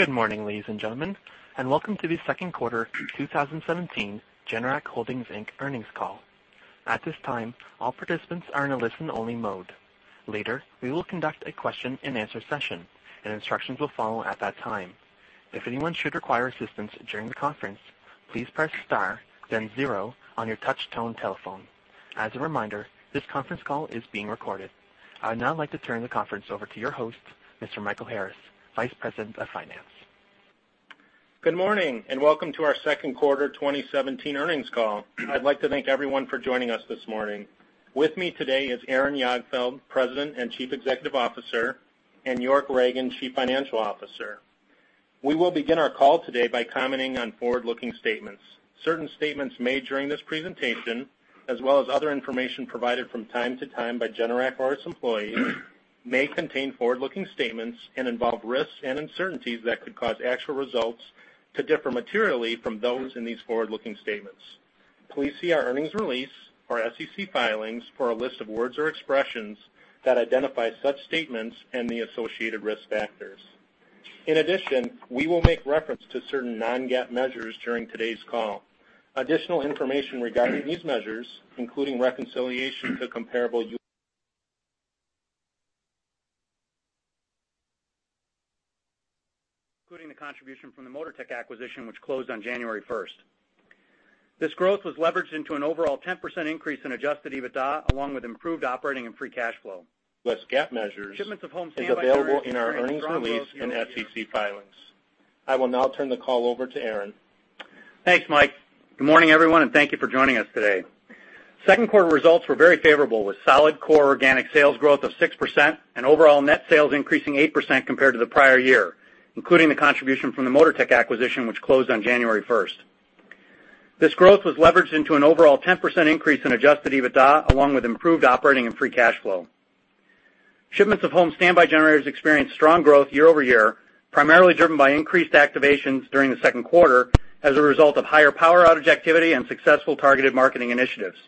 Good morning, ladies and gentlemen, and welcome to the second quarter 2017 Generac Holdings Inc. earnings call. At this time, all participants are in a listen-only mode. Later, we will conduct a question-and-answer session, and instructions will follow at that time. If anyone should require assistance during the conference, please press star then zero on your touchtone telephone. As a reminder, this conference call is being recorded. I would now like to turn the conference over to your host, Mr. Mike Harris, Vice President of Finance. Good morning, and welcome to our second quarter 2017 earnings call. I'd like to thank everyone for joining us this morning. With me today is Aaron Jagdfeld, President and Chief Executive Officer, and York Ragen, Chief Financial Officer. We will begin our call today by commenting on forward-looking statements. Certain statements made during this presentation, as well as other information provided from time to time by Generac or its employees, may contain forward-looking statements and involve risks and uncertainties that could cause actual results to differ materially from those in these forward-looking statements. Please see our earnings release, our SEC filings for a list of words or expressions that identify such statements and the associated risk factors. In addition, we will make reference to certain non-GAAP measures during today's call. Additional information regarding these measures, including reconciliation to comparable- Including the contribution from the Motortech acquisition, which closed on January first. This growth was leveraged into an overall 10% increase in adjusted EBITDA, along with improved operating and free cash flow. Less GAAP measures is available in our earnings release and SEC filings. I will now turn the call over to Aaron. Thanks, Mike. Good morning, everyone, and thank you for joining us today. Second quarter results were very favorable with solid core organic sales growth of 6% and overall net sales increasing 8% compared to the prior year, including the contribution from the Motortech acquisition, which closed on January 1st. This growth was leveraged into an overall 10% increase in adjusted EBITDA, along with improved operating and free cash flow. Shipments of home standby generators experienced strong growth year-over-year, primarily driven by increased activations during the second quarter as a result of higher power outage activity and successful targeted marketing initiatives.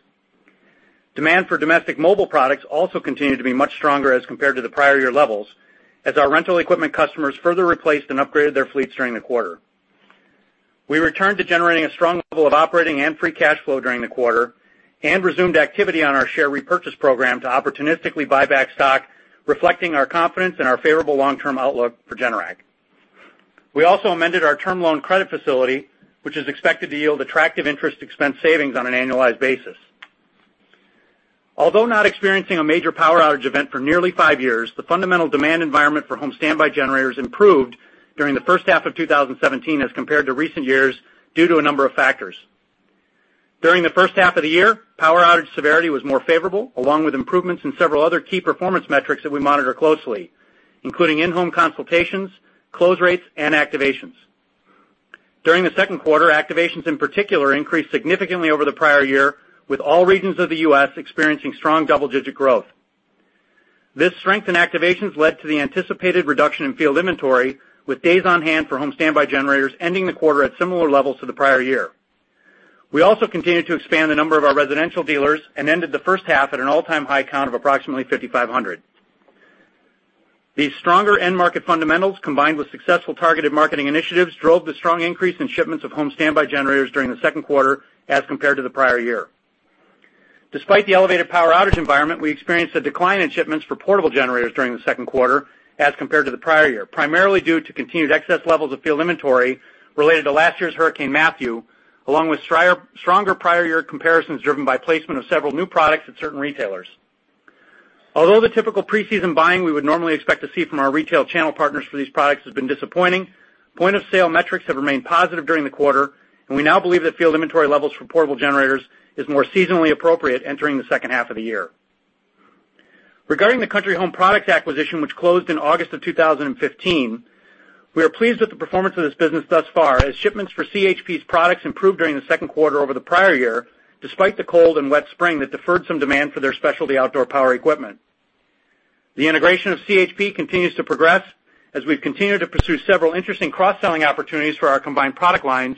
Demand for domestic mobile products also continued to be much stronger as compared to the prior year levels as our rental equipment customers further replaced and upgraded their fleets during the quarter. We returned to generating a strong level of operating and free cash flow during the quarter and resumed activity on our share repurchase program to opportunistically buy back stock, reflecting our confidence in our favorable long-term outlook for Generac. We also amended our term loan credit facility, which is expected to yield attractive interest expense savings on an annualized basis. Although not experiencing a major power outage event for nearly five years, the fundamental demand environment for home standby generators improved during the first half of 2017 as compared to recent years due to a number of factors. During the first half of the year, power outage severity was more favorable, along with improvements in several other key performance metrics that we monitor closely, including in-home consultations, close rates, and activations. During the second quarter, activations in particular increased significantly over the prior year, with all regions of the U.S. experiencing strong double-digit growth. This strength in activations led to the anticipated reduction in field inventory, with days on hand for home standby generators ending the quarter at similar levels to the prior year. We also continued to expand the number of our residential dealers and ended the first half at an all-time high count of approximately 5,500. These stronger end market fundamentals, combined with successful targeted marketing initiatives, drove the strong increase in shipments of home standby generators during the second quarter as compared to the prior year. Despite the elevated power outage environment, we experienced a decline in shipments for portable generators during the second quarter as compared to the prior year, primarily due to continued excess levels of field inventory related to last year's Hurricane Matthew, along with stronger prior year comparisons driven by placement of several new products at certain retailers. Although the typical preseason buying we would normally expect to see from our retail channel partners for these products has been disappointing, point of sale metrics have remained positive during the quarter. We now believe that field inventory levels for portable generators is more seasonally appropriate entering the second half of the year. Regarding the Country Home Products acquisition, which closed in August of 2015, we are pleased with the performance of this business thus far as shipments for CHP's products improved during the second quarter over the prior year, despite the cold and wet spring that deferred some demand for their specialty outdoor power equipment. The integration of CHP continues to progress as we've continued to pursue several interesting cross-selling opportunities for our combined product lines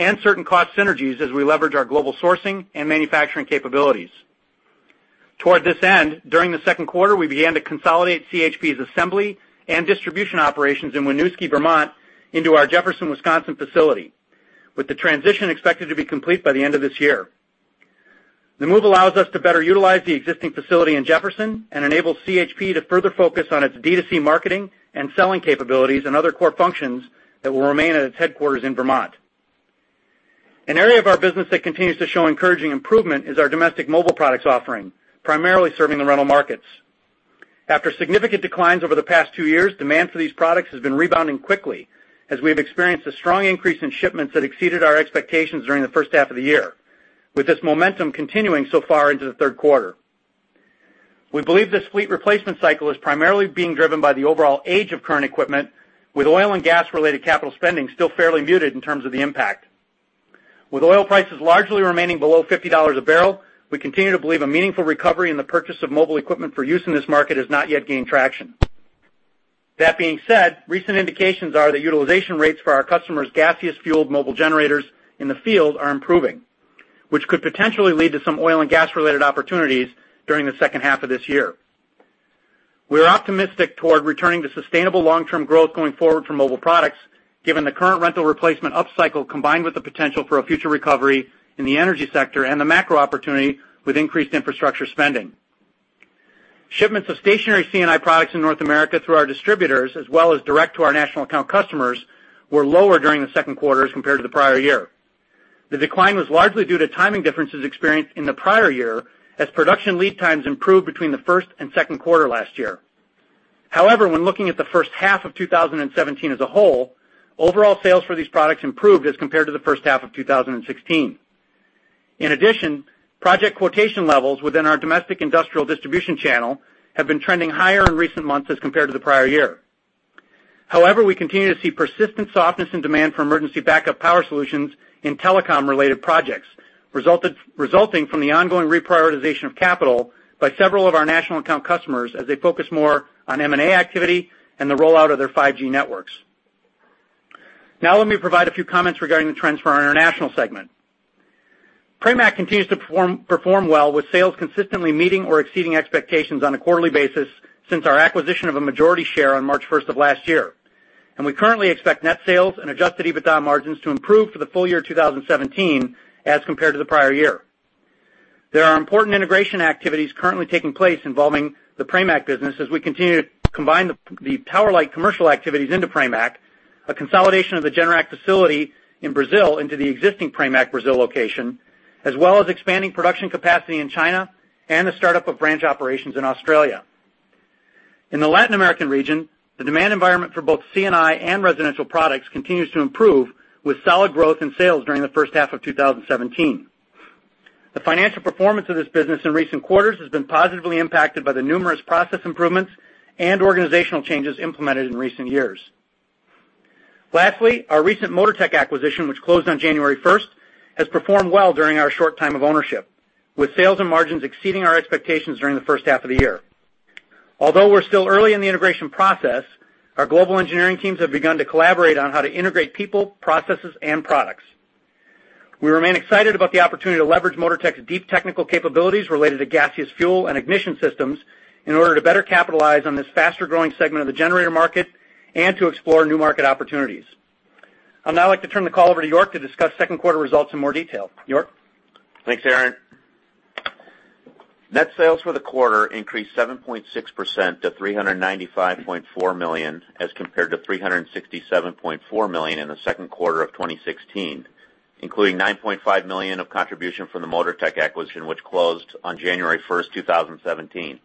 and certain cost synergies as we leverage our global sourcing and manufacturing capabilities. Toward this end, during the second quarter, we began to consolidate CHP's assembly and distribution operations in Winooski, Vermont, into our Jefferson, Wisconsin facility, with the transition expected to be complete by the end of this year. The move allows us to better utilize the existing facility in Jefferson and enables CHP to further focus on its D2C marketing and selling capabilities and other core functions that will remain at its headquarters in Vermont. An area of our business that continues to show encouraging improvement is our domestic mobile products offering, primarily serving the rental markets. After significant declines over the past two years, demand for these products has been rebounding quickly as we have experienced a strong increase in shipments that exceeded our expectations during the first half of the year, with this momentum continuing so far into the third quarter. We believe this fleet replacement cycle is primarily being driven by the overall age of current equipment, with oil and gas related capital spending still fairly muted in terms of the impact. With oil prices largely remaining below $50 a barrel, we continue to believe a meaningful recovery in the purchase of mobile equipment for use in this market has not yet gained traction. That being said, recent indications are that utilization rates for our customers' gaseous-fueled mobile generators in the field are improving Which could potentially lead to some oil and gas related opportunities during the second half of this year. We are optimistic toward returning to sustainable long-term growth going forward from mobile products, given the current rental replacement up cycle, combined with the potential for a future recovery in the energy sector and the macro opportunity with increased infrastructure spending. Shipments of stationary C&I products in North America through our distributors, as well as direct to our national account customers, were lower during the second quarter as compared to the prior year. The decline was largely due to timing differences experienced in the prior year, as production lead times improved between the first and second quarter last year. However, when looking at the first half of 2017 as a whole, overall sales for these products improved as compared to the first half of 2016. In addition, project quotation levels within our domestic industrial distribution channel have been trending higher in recent months as compared to the prior year. However, we continue to see persistent softness in demand for emergency backup power solutions in telecom related projects, resulting from the ongoing reprioritization of capital by several of our national account customers as they focus more on M&A activity and the rollout of their 5G networks. Now let me provide a few comments regarding the trends for our international segment. Pramac continues to perform well with sales consistently meeting or exceeding expectations on a quarterly basis since our acquisition of a majority share on March 1st of last year. We currently expect net sales and adjusted EBITDA margins to improve for the full-year 2017 as compared to the prior year. There are important integration activities currently taking place involving the Pramac business as we continue to combine the Pramac commercial activities into Pramac, a consolidation of the Generac facility in Brazil into the existing Pramac Brazil location, as well as expanding production capacity in China and the startup of branch operations in Australia. In the Latin American region, the demand environment for both C&I and residential products continues to improve, with solid growth in sales during the first half of 2017. The financial performance of this business in recent quarters has been positively impacted by the numerous process improvements and organizational changes implemented in recent years. Lastly, our recent Motortech acquisition, which closed on January 1st, has performed well during our short time of ownership, with sales and margins exceeding our expectations during the first half of the year. Although we're still early in the integration process, our global engineering teams have begun to collaborate on how to integrate people, processes, and products. We remain excited about the opportunity to leverage Motortech's deep technical capabilities related to gaseous fuel and ignition systems, in order to better capitalize on this faster-growing segment of the generator market and to explore new market opportunities. I'd now like to turn the call over to York to discuss second quarter results in more detail. York? Thanks, Aaron. Net sales for the quarter increased 7.6% to $395.4 million, as compared to $367.4 million in the second quarter of 2016, including $9.5 million of contribution from the Motortech acquisition, which closed on January 1st, 2017.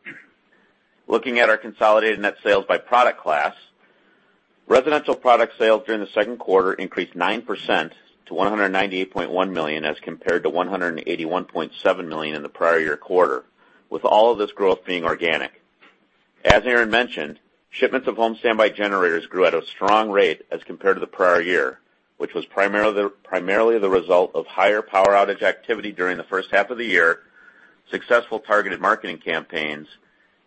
Looking at our consolidated net sales by product class, residential product sales during the second quarter increased 9% to $198.1 million, as compared to $181.7 million in the prior year quarter, with all of this growth being organic. As Aaron mentioned, shipments of home standby generators grew at a strong rate as compared to the prior year, which was primarily the result of higher power outage activity during the first half of the year, successful targeted marketing campaigns,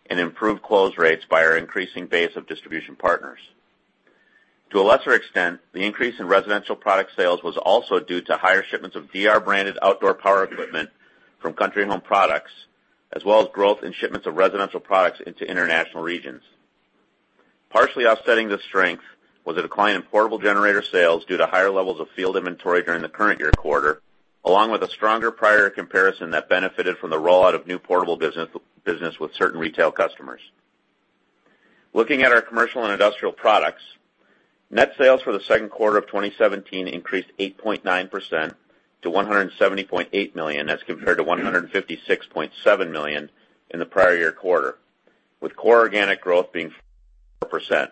and improved close rates by our increasing base of distribution partners. To a lesser extent, the increase in residential product sales was also due to higher shipments of DR-branded outdoor power equipment from Country Home Products, as well as growth in shipments of residential products into international regions. Partially offsetting this strength was a decline in portable generator sales due to higher levels of field inventory during the current year quarter, along with a stronger prior year comparison that benefited from the rollout of new portable business with certain retail customers. Looking at our commercial and industrial products, net sales for the second quarter of 2017 increased 8.9% to $170.8 million as compared to $156.7 million in the prior year quarter, with core organic growth being 4%.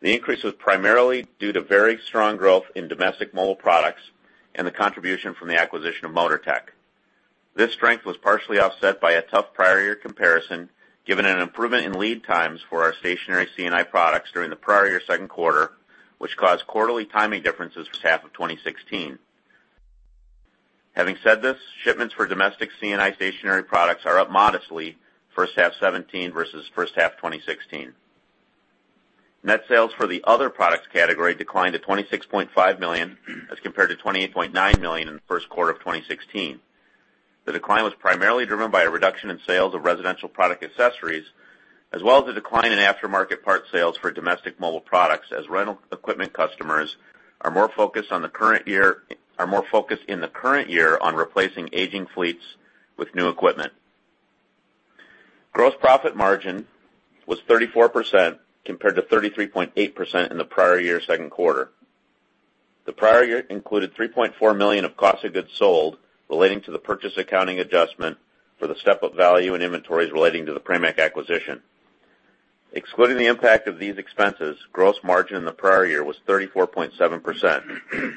The increase was primarily due to very strong growth in domestic mobile products and the contribution from the acquisition of Motortech. This strength was partially offset by a tough prior year comparison, given an improvement in lead times for our stationary C&I products during the prior year second quarter, which caused quarterly timing differences first half of 2016. Having said this, shipments for domestic C&I stationary products are up modestly first half 2017 versus first half 2016. Net sales for the other products category declined to $26.5 million as compared to $28.9 million in the first quarter of 2016. The decline was primarily driven by a reduction in sales of residential product accessories, as well as a decline in aftermarket parts sales for domestic mobile products, as rental equipment customers are more focused in the current year on replacing aging fleets with new equipment. Gross profit margin was 34%, compared to 33.8% in the prior year second quarter. The prior year included $3.4 million of cost of goods sold relating to the purchase accounting adjustment for the step-up value in inventories relating to the Pramac acquisition. Excluding the impact of these expenses, gross margin in the prior year was 34.7%.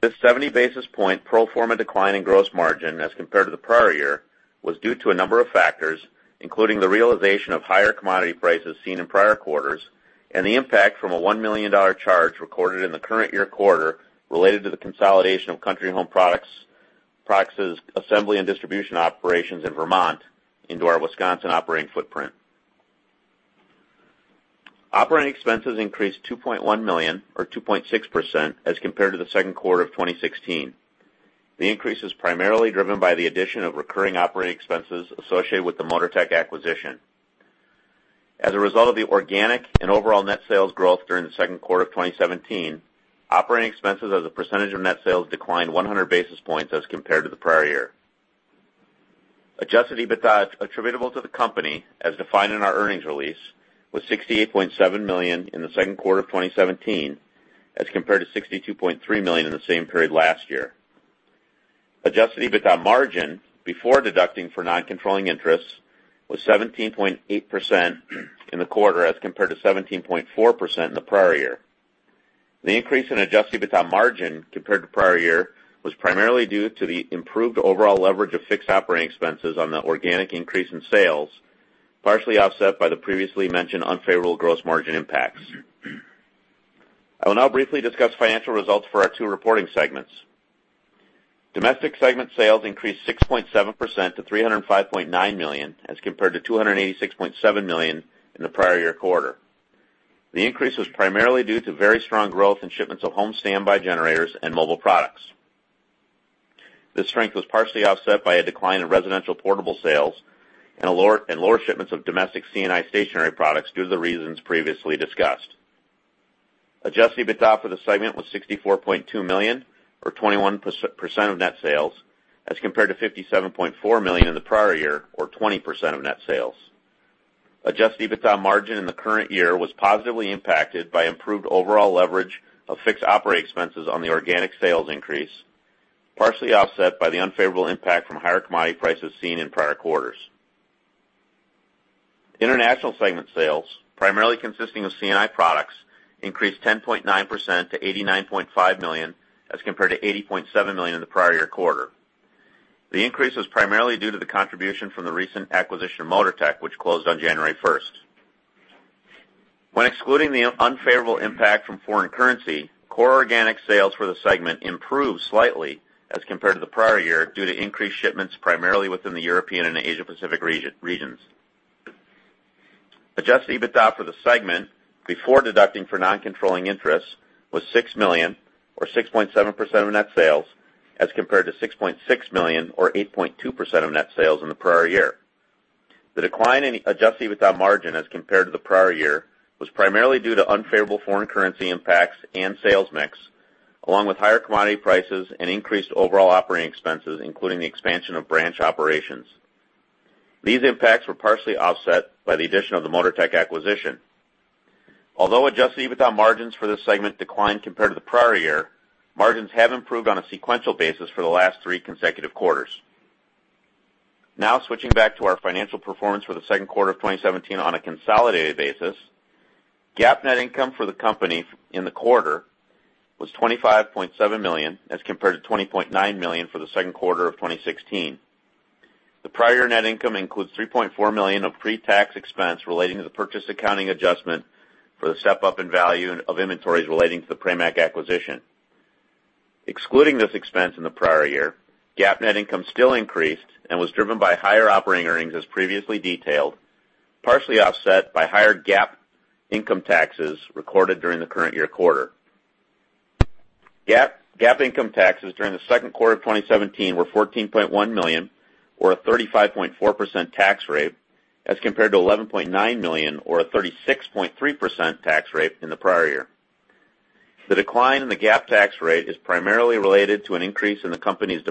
This 70 basis point pro forma decline in gross margin as compared to the prior year, was due to a number of factors, including the realization of higher commodity prices seen in prior quarters and the impact from a $1 million charge recorded in the current year quarter related to the consolidation of Country Home Products' assembly and distribution operations in Vermont into our Wisconsin operating footprint. Operating expenses increased $2.1 million or 2.6% as compared to the second quarter of 2016. The increase is primarily driven by the addition of recurring operating expenses associated with the Motortech acquisition. As a result of the organic and overall net sales growth during the second quarter of 2017, operating expenses as a percentage of net sales declined 100 basis points as compared to the prior year. Adjusted EBITDA attributable to the company, as defined in our earnings release, was $68.7 million in the second quarter of 2017 as compared to $62.3 million in the same period last year. Adjusted EBITDA margin, before deducting for non-controlling interests, was 17.8% in the quarter as compared to 17.4% in the prior year. The increase in adjusted EBITDA margin compared to prior year was primarily due to the improved overall leverage of fixed operating expenses on the organic increase in sales, partially offset by the previously mentioned unfavorable gross margin impacts. I will now briefly discuss financial results for our two reporting segments. Domestic segment sales increased 6.7% to $305.9 million as compared to $286.7 million in the prior year quarter. The increase was primarily due to very strong growth in shipments of home standby generators and mobile products. This strength was partially offset by a decline in residential portable sales and lower shipments of domestic C&I stationary products due to the reasons previously discussed. Adjusted EBITDA for the segment was $64.2 million or 21% of net sales as compared to $57.4 million in the prior year or 20% of net sales. Adjusted EBITDA margin in the current year was positively impacted by improved overall leverage of fixed operating expenses on the organic sales increase, partially offset by the unfavorable impact from higher commodity prices seen in prior quarters. International segment sales, primarily consisting of C&I products, increased 10.9% to $89.5 million as compared to $80.7 million in the prior year quarter. The increase was primarily due to the contribution from the recent acquisition of Motortech, which closed on January 1st. When excluding the unfavorable impact from foreign currency, core organic sales for the segment improved slightly as compared to the prior year due to increased shipments primarily within the European and Asia Pacific regions. Adjusted EBITDA for the segment before deducting for non-controlling interests was $6 million or 6.7% of net sales as compared to $6.6 million or 8.2% of net sales in the prior year. The decline in adjusted EBITDA margin as compared to the prior year was primarily due to unfavorable foreign currency impacts and sales mix, along with higher commodity prices and increased overall operating expenses, including the expansion of branch operations. These impacts were partially offset by the addition of the Motortech acquisition. Although adjusted EBITDA margins for this segment declined compared to the prior year, margins have improved on a sequential basis for the last three consecutive quarters. Now switching back to our financial performance for the second quarter of 2017 on a consolidated basis. GAAP net income for the company in the quarter was $25.7 million as compared to $20.9 million for the second quarter of 2016. The prior year net income includes $3.4 million of pre-tax expense relating to the purchase accounting adjustment for the step-up in value of inventories relating to the Pramac acquisition. Excluding this expense in the prior year, GAAP net income still increased and was driven by higher operating earnings as previously detailed, partially offset by higher GAAP income taxes recorded during the current year quarter. GAAP income taxes during the second quarter of 2017 were $14.1 million or a 35.4% tax rate as compared to $11.9 million or a 36.3% tax rate in the prior year. The decline in the GAAP tax rate is primarily related to an increase in the company's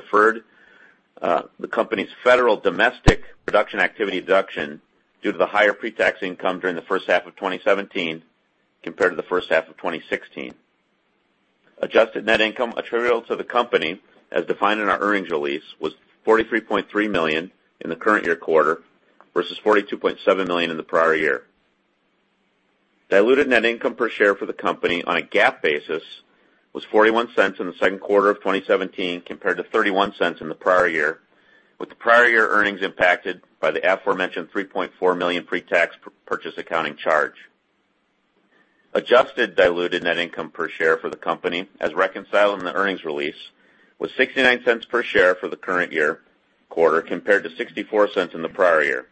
federal domestic production activity deduction due to the higher pre-tax income during the first half of 2017 compared to the first half of 2016. Adjusted net income attributable to the company, as defined in our earnings release, was $43.3 million in the current year quarter versus $42.7 million in the prior year. Diluted net income per share for the company on a GAAP basis was $0.41 in the second quarter of 2017 compared to $0.31 in the prior year, with the prior year earnings impacted by the aforementioned $3.4 million pre-tax purchase accounting charge. Adjusted diluted net income per share for the company, as reconciled in the earnings release, was $0.69 per share for the current year quarter compared to $0.64 in the prior year.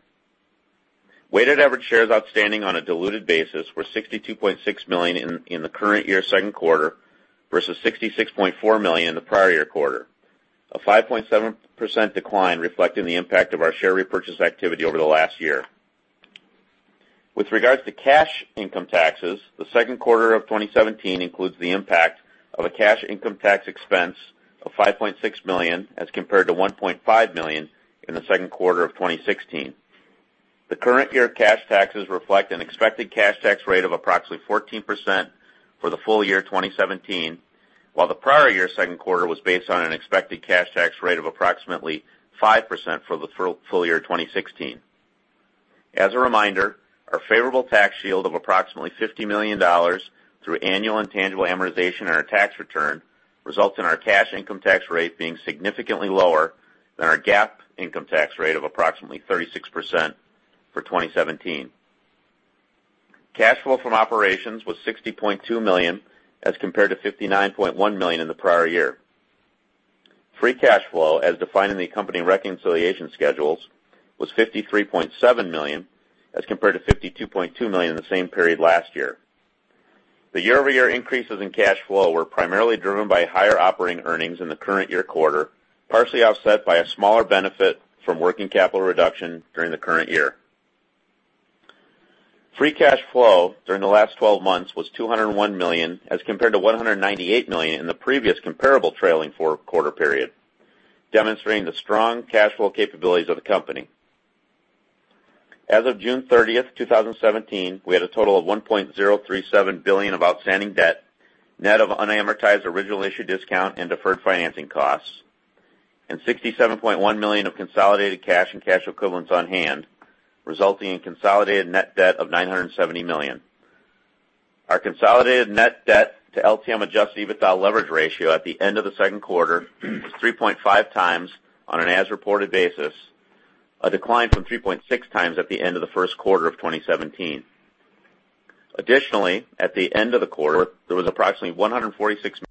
Weighted average shares outstanding on a diluted basis were 62.6 million in the current year second quarter versus 66.4 million in the prior year quarter. A 5.7% decline reflecting the impact of our share repurchase activity over the last year. With regards to cash income taxes, the second quarter of 2017 includes the impact of a cash income tax expense of $5.6 million as compared to $1.5 million in the second quarter of 2016. The current year cash taxes reflect an expected cash tax rate of approximately 14% for the full-year 2017, while the prior year second quarter was based on an expected cash tax rate of approximately 5% for the full-year 2016. As a reminder, our favorable tax shield of approximately $50 million through annual intangible amortization on our tax return results in our cash income tax rate being significantly lower than our GAAP income tax rate of approximately 36% for 2017. Cash flow from operations was $60.2 million as compared to $59.1 million in the prior year. Free cash flow, as defined in the company reconciliation schedules, was $53.7 million as compared to $52.2 million in the same period last year. The year-over-year increases in cash flow were primarily driven by higher operating earnings in the current year quarter, partially offset by a smaller benefit from working capital reduction during the current year. Free cash flow during the last 12 months was $201 million, as compared to $198 million in the previous comparable trailing four quarter period, demonstrating the strong cash flow capabilities of the company. As of June 30th, 2017, we had a total of $1.037 billion of outstanding debt, net of unamortized original issue discount and deferred financing costs, and $67.1 million of consolidated cash and cash equivalents on hand, resulting in consolidated net debt of $970 million. Our consolidated net debt to LTM adjusted EBITDA leverage ratio at the end of the second quarter was 3.5x on an as-reported basis, a decline from 3.6x at the end of the first quarter of 2017. Additionally, at the end of the quarter, there was approximately $146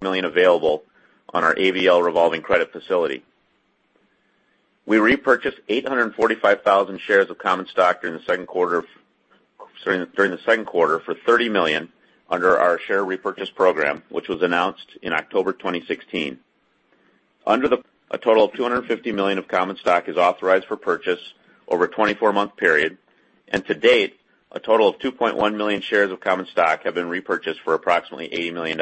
million available on our ABL revolving credit facility. We repurchased 845,000 shares of common stock during the second quarter for $30 million under our share repurchase program, which was announced in October 2016. Under the- A total of $250 million of common stock is authorized for purchase over a 24-month period, and to date, a total of 2.1 million shares of common stock have been repurchased for approximately $80 million.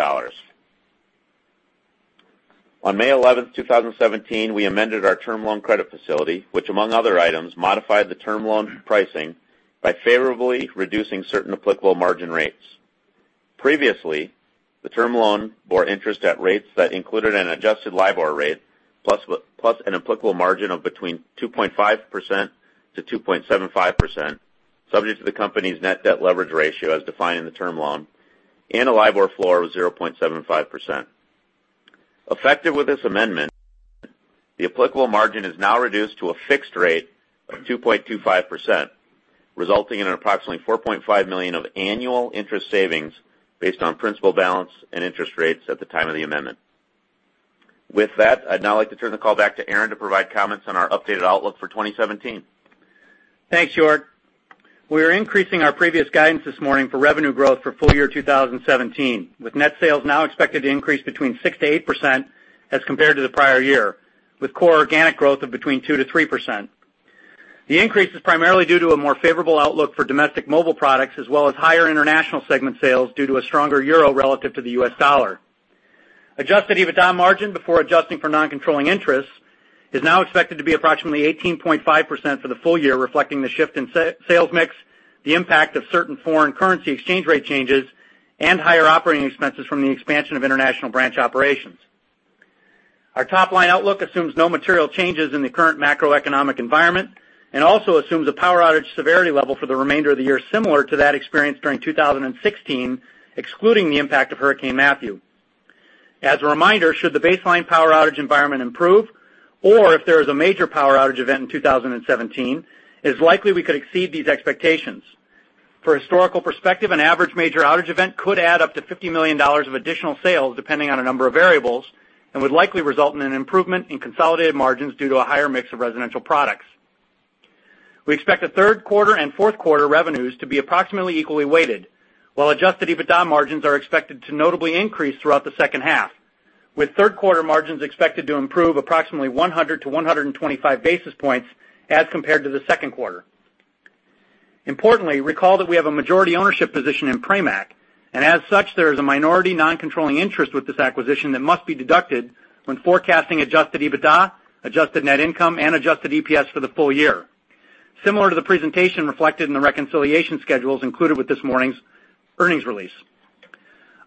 On May 11th, 2017, we amended our term loan credit facility, which among other items, modified the term loan pricing by favorably reducing certain applicable margin rates. Previously, the term loan bore interest at rates that included an adjusted LIBOR rate, plus an applicable margin of between 2.5%-2.75%, subject to the company's net debt leverage ratio as defined in the term loan, and a LIBOR floor of 0.75%. Effective with this amendment, the applicable margin is now reduced to a fixed rate of 2.25%, resulting in approximately $4.5 million of annual interest savings based on principal balance and interest rates at the time of the amendment. With that, I'd now like to turn the call back to Aaron to provide comments on our updated outlook for 2017. Thanks, York. We are increasing our previous guidance this morning for revenue growth for full-year 2017, with net sales now expected to increase between 6%-8% as compared to the prior year, with core organic growth of between 2%-3%. The increase is primarily due to a more favorable outlook for domestic mobile products as well as higher international segment sales due to a stronger euro relative to the U.S. dollar. Adjusted EBITDA margin before adjusting for non-controlling interests is now expected to be approximately 18.5% for the full-year, reflecting the shift in sales mix, the impact of certain foreign currency exchange rate changes, and higher operating expenses from the expansion of international branch operations. Our top-line outlook assumes no material changes in the current macroeconomic environment and also assumes a power outage severity level for the remainder of the year similar to that experienced during 2016, excluding the impact of Hurricane Matthew. As a reminder, should the baseline power outage environment improve, or if there is a major power outage event in 2017, it is likely we could exceed these expectations. For historical perspective, an average major outage event could add up to $50 million of additional sales, depending on a number of variables, and would likely result in an improvement in consolidated margins due to a higher mix of residential products. We expect the third quarter and fourth quarter revenues to be approximately equally weighted, while adjusted EBITDA margins are expected to notably increase throughout the second half, with third quarter margins expected to improve approximately 100-125 basis points as compared to the second quarter. Importantly, recall that we have a majority ownership position in Pramac, and as such, there is a minority non-controlling interest with this acquisition that must be deducted when forecasting adjusted EBITDA, adjusted net income, and adjusted EPS for the full-year. Similar to the presentation reflected in the reconciliation schedules included with this morning's earnings release.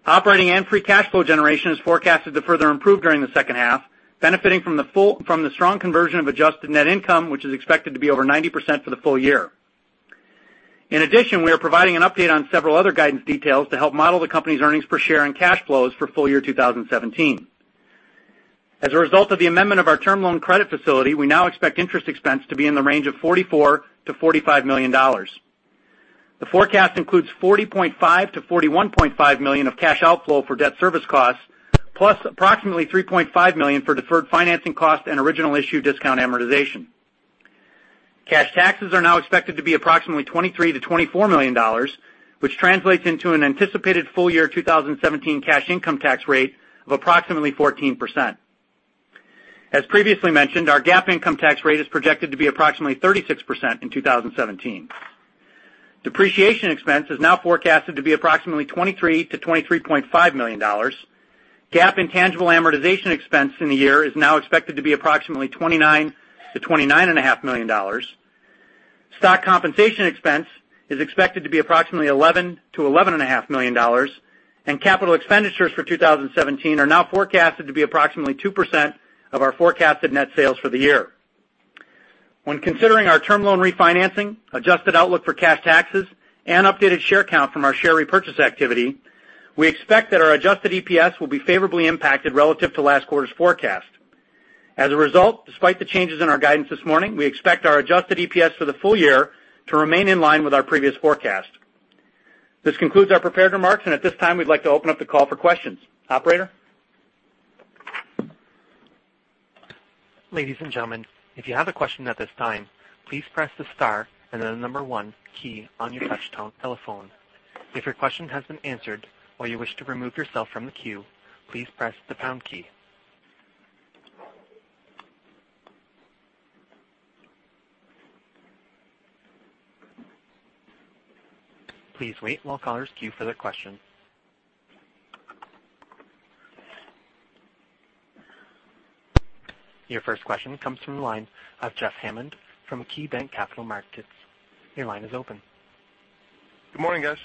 Operating and free cash flow generation is forecasted to further improve during the second half, benefiting from the strong conversion of adjusted net income, which is expected to be over 90% for the full-year. We are providing an update on several other guidance details to help model the company's earnings per share and cash flows for full-year 2017. As a result of the amendment of our term loan credit facility, we now expect interest expense to be in the range of $44-45 million. The forecast includes $40.5-41.5 million of cash outflow for debt service costs, plus approximately $3.5 million for deferred financing cost and original issue discount amortization. Cash taxes are now expected to be approximately $23-24 million, which translates into an anticipated full-year 2017 cash income tax rate of approximately 14%. As previously mentioned, our GAAP income tax rate is projected to be approximately 36% in 2017. Depreciation expense is now forecasted to be approximately $23-23.5 million. GAAP intangible amortization expense in the year is now expected to be approximately $29-29.5 million. Stock compensation expense is expected to be approximately $11-11.5 million. Capital expenditures for 2017 are now forecasted to be approximately 2% of our forecasted net sales for the year. When considering our term loan refinancing, adjusted outlook for cash taxes, and updated share count from our share repurchase activity, we expect that our adjusted EPS will be favorably impacted relative to last quarter's forecast. Despite the changes in our guidance this morning, we expect our adjusted EPS for the full-year to remain in line with our previous forecast. This concludes our prepared remarks, and at this time, we'd like to open up the call for questions. Operator? Ladies and gentlemen, if you have a question at this time, please press the star and then the number one key on your touch-tone telephone. If your question has been answered or you wish to remove yourself from the queue, please press the pound key. Please wait while callers queue for their question. Your first question comes from the line of Jeffrey Hammond from KeyBanc Capital Markets. Your line is open. Good morning, guys.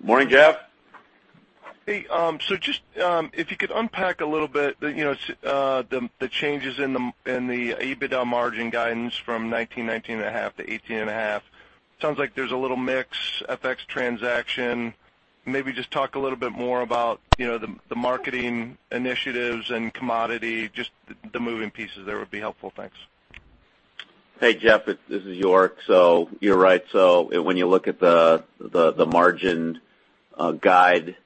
Morning, Jeff. Hey, just if you could unpack a little bit the changes in the EBITDA margin guidance from 19.95% to 18.5%. Sounds like there's a little mix, FX transaction. Maybe just talk a little bit more about the marketing initiatives and commodity, just the moving pieces there would be helpful. Thanks. Hey, Jeff. This is York. You're right. When you look at the margin guide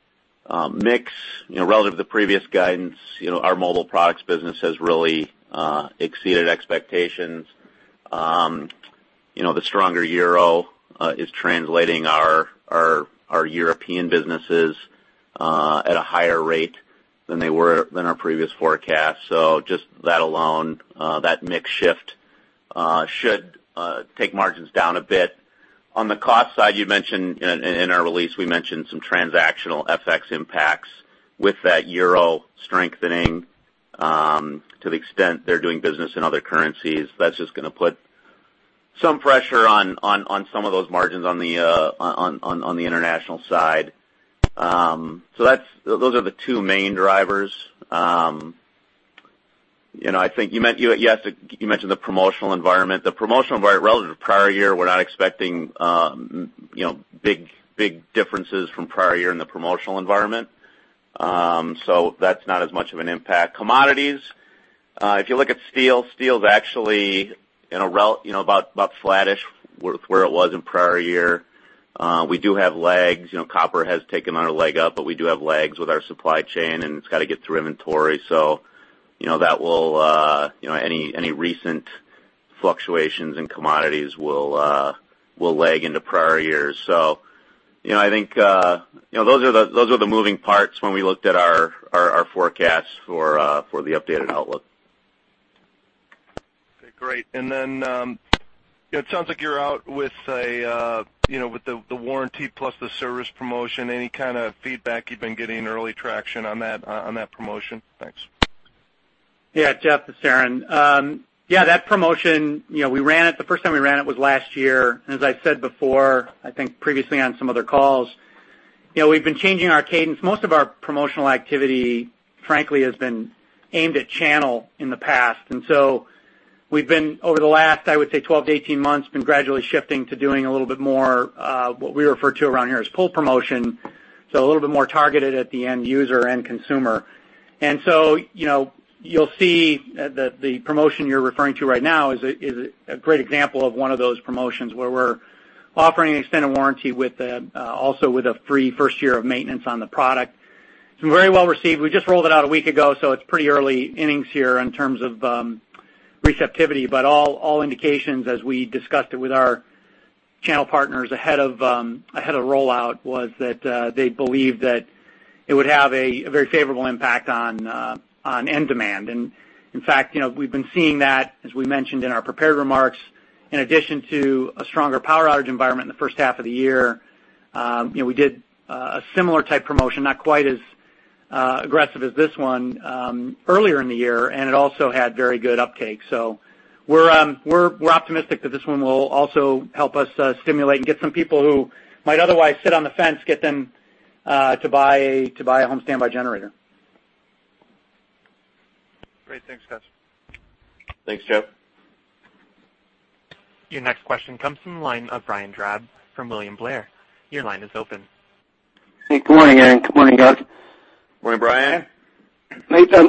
mix relative to previous guidance, our mobile products business has really exceeded expectations. The stronger euro is translating our European businesses at a higher rate than our previous forecast. Just that alone, that mix shift should take margins down a bit. On the cost side, in our release, we mentioned some transactional FX impacts with that euro strengthening to the extent they're doing business in other currencies. That's just going to put some pressure on some of those margins on the international side. Those are the two main drivers. I think you mentioned the promotional environment. The promotional environment, relative to prior year, we're not expecting big differences from prior year in the promotional environment. That's not as much of an impact. Commodities, if you look at steel is actually about flattish where it was in prior year. We do have lags. Copper has taken on a leg up, but we do have lags with our supply chain, and it's got to get through inventory. Any recent fluctuations in commodities will lag into prior years. I think those are the moving parts when we looked at our forecasts for the updated outlook. Okay, great. It sounds like you're out with the warranty plus the service promotion. Any kind of feedback you've been getting, early traction on that promotion? Thanks. Jeff, it's Aaron. That promotion, the first time we ran it was last year. As I said before, I think previously on some other calls, we've been changing our cadence. Most of our promotional activity, frankly, has been aimed at channel in the past. We've been, over the last, I would say, 12 to 18 months, been gradually shifting to doing a little bit more of what we refer to around here as pull promotion, so a little bit more targeted at the end user and consumer. You'll see that the promotion you're referring to right now is a great example of one of those promotions where we're offering extended warranty also with a free first year of maintenance on the product. It's been very well received. We just rolled it out a week ago, so it's pretty early innings here in terms of receptivity. All indications as we discussed it with our channel partners ahead of rollout was that they believed that it would have a very favorable impact on end demand. We've been seeing that, as we mentioned in our prepared remarks, in addition to a stronger power outage environment in the first half of the year. We did a similar type promotion, not quite as aggressive as this one, earlier in the year, and it also had very good uptake. We're optimistic that this one will also help us stimulate and get some people who might otherwise sit on the fence, get them to buy a home standby generator. Great. Thanks, guys. Thanks, Jeff. Your next question comes from the line of Brian Drab from William Blair. Your line is open. Hey, good morning, Aaron. Good morning, York. Morning, Brian.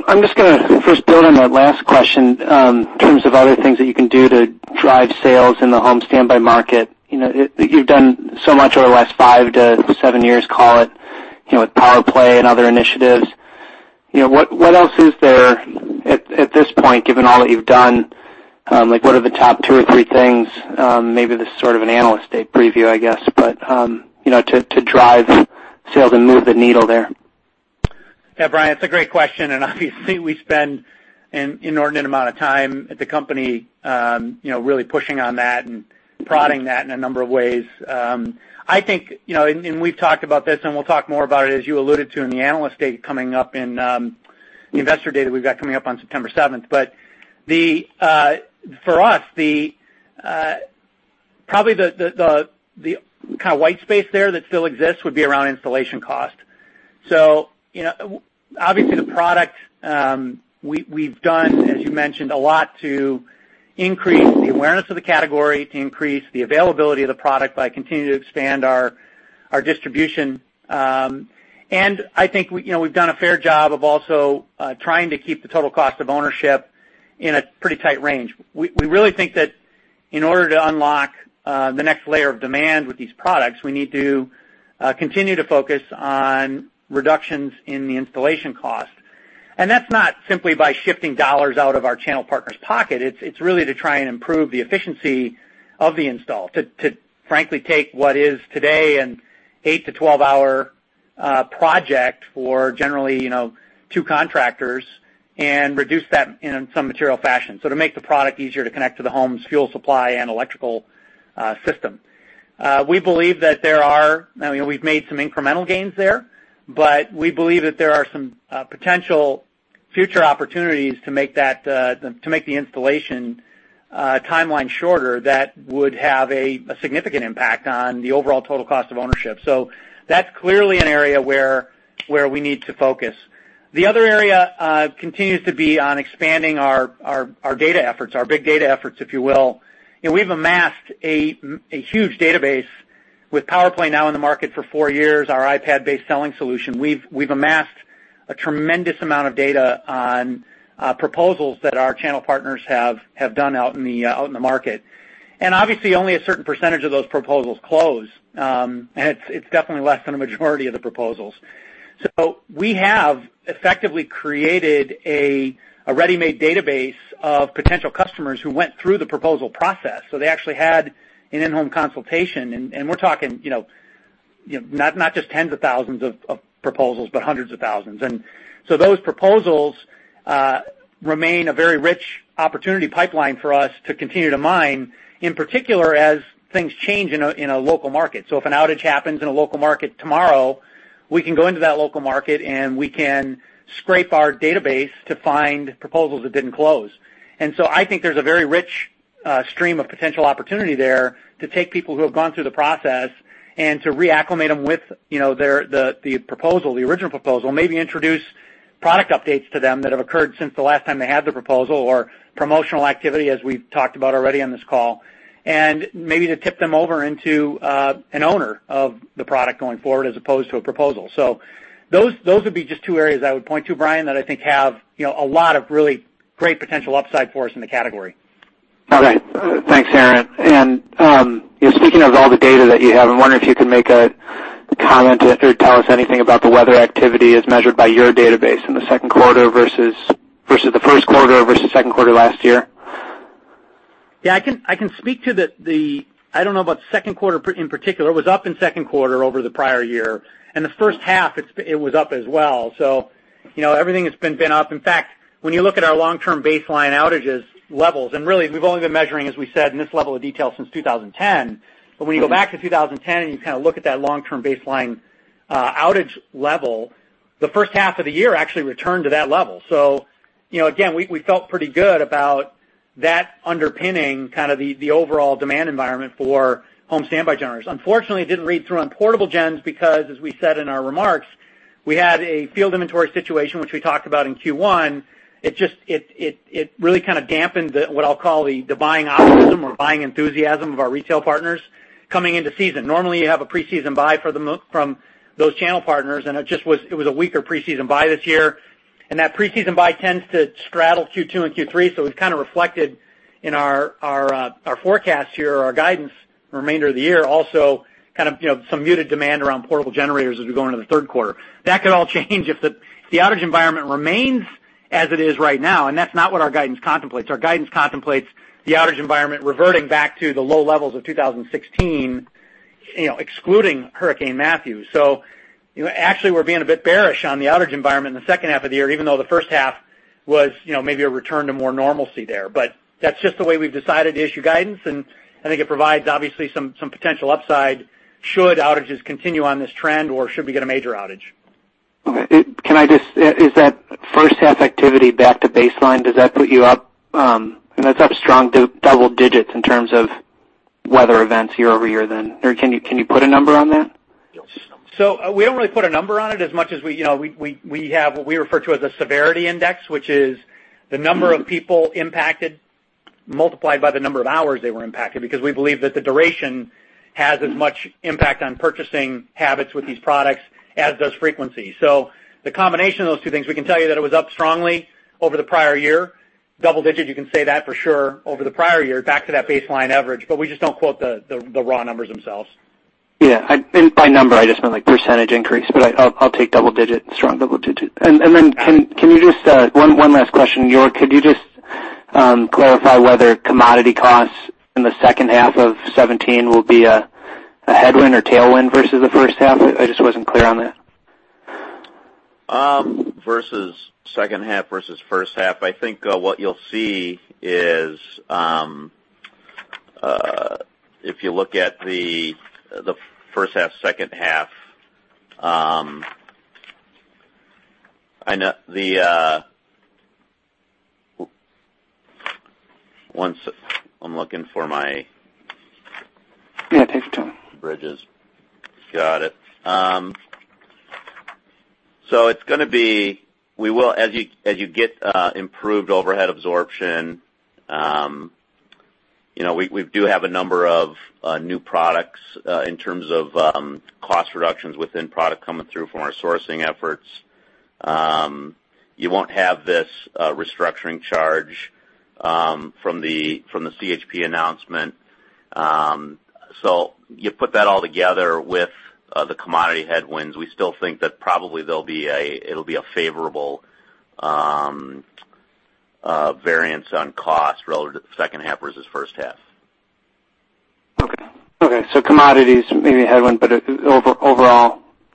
I'm just going to first build on that last question in terms of other things that you can do to drive sales in the home standby market. You've done so much over the last five to seven years, call it, with PowerPlay and other initiatives. What else is there at this point, given all that you've done? What are the top two or three things, maybe this is sort of an Analyst Day preview, I guess, but to drive sales and move the needle there? Yeah, Brian, it's a great question. Obviously, we spend an inordinate amount of time at the company really pushing on that and prodding that in a number of ways. We've talked about this, and we'll talk more about it, as you alluded to in the Investor Day that we've got coming up on September 7th. For us, probably the kind of white space there that still exists would be around installation cost. Obviously, the product, we've done, as you mentioned, a lot to increase the awareness of the category, to increase the availability of the product by continuing to expand our distribution. I think we've done a fair job of also trying to keep the total cost of ownership in a pretty tight range. We really think that In order to unlock the next layer of demand with these products, we need to continue to focus on reductions in the installation cost. That's not simply by shifting dollars out of our channel partners' pocket. It's really to try and improve the efficiency of the install, to frankly take what is today an eight- to 12-hour project for generally, two contractors and reduce that in some material fashion. To make the product easier to connect to the home's fuel supply and electrical system. We've made some incremental gains there, but we believe that there are some potential future opportunities to make the installation timeline shorter that would have a significant impact on the overall total cost of ownership. That's clearly an area where we need to focus. The other area continues to be on expanding our data efforts, our big data efforts, if you will. We've amassed a huge database with PowerPlay now in the market for four years, our iPad-based selling solution. We've amassed a tremendous amount of data on proposals that our channel partners have done out in the market. Obviously, only a certain percentage of those proposals close, and it's definitely less than a majority of the proposals. We have effectively created a ready-made database of potential customers who went through the proposal process. They actually had an in-home consultation, and we're talking not just tens of thousands of proposals, but hundreds of thousands. Those proposals remain a very rich opportunity pipeline for us to continue to mine, in particular, as things change in a local market. If an outage happens in a local market tomorrow, we can go into that local market, and we can scrape our database to find proposals that didn't close. I think there's a very rich stream of potential opportunity there to take people who have gone through the process and to re-acclimate them with the original proposal, maybe introduce product updates to them that have occurred since the last time they had the proposal or promotional activity, as we've talked about already on this call, and maybe to tip them over into an owner of the product going forward as opposed to a proposal. Those would be just two areas I would point to, Brian, that I think have a lot of really great potential upside for us in the category. Okay. Thanks, Aaron. Speaking of all the data that you have, I'm wondering if you can make a comment or tell us anything about the weather activity as measured by your database in the second quarter versus the first quarter versus second quarter last year. Yeah, I can speak to I don't know about the second quarter in particular. It was up in the second quarter over the prior year, the first half it was up as well. Everything has been up. In fact, when you look at our long-term baseline outages levels, really, we've only been measuring, as we said, in this level of detail since 2010. When you go back to 2010 and you kind of look at that long-term baseline outage level, the first half of the year actually returned to that level. Again, we felt pretty good about that underpinning kind of the overall demand environment for home standby generators. Unfortunately, it didn't read through on portable gens because, as we said in our remarks, we had a field inventory situation, which we talked about in Q1. It really kind of dampened the, what I'll call, the buying optimism or buying enthusiasm of our retail partners coming into season. Normally, you have a preseason buy from those channel partners, and it was a weaker preseason buy this year. That preseason buy tends to straddle Q2 and Q3. It's kind of reflected in our forecast here or our guidance for the remainder of the year. Also, kind of some muted demand around portable generators as we go into the third quarter. That could all change if the outage environment remains as it is right now, and that's not what our guidance contemplates. Our guidance contemplates the outage environment reverting back to the low levels of 2016, excluding Hurricane Matthew. Actually, we're being a bit bearish on the outage environment in the second half of the year, even though the first half was maybe a return to more normalcy there. That's just the way we've decided to issue guidance, and I think it provides obviously some potential upside should outages continue on this trend or should we get a major outage. Okay. Is that first half activity back to baseline? Does that put you up strong double digits in terms of weather events year-over-year then? Can you put a number on that? We don't really put a number on it as much as we have what we refer to as a severity index, which is the number of people impacted multiplied by the number of hours they were impacted because we believe that the duration has as much impact on purchasing habits with these products as does frequency. The combination of those two things, we can tell you that it was up strongly over the prior year, double digits, you can say that for sure, over the prior year back to that baseline average, but we just don't quote the raw numbers themselves. Yeah. By number, I just meant like percentage increase, but I'll take double digits, strong double digits. One last question. York, could you just clarify whether commodity costs in the second half of 2017 will be a headwind or tailwind versus the first half? I just wasn't clear on that. Versus second half versus first half, I think what you'll see is, if you look at the first half, second half. One sec. I'm looking for my- Yeah, take your time Bridges. Got it. As you get improved overhead absorption, we do have a number of new products, in terms of cost reductions within product coming through from our sourcing efforts. You won't have this restructuring charge from the CHP announcement. You put that all together with the commodity headwinds, we still think that probably it'll be a favorable variance on cost relative to the second half versus first half. Okay. Commodities may be a headwind.